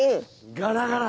ガラガラ。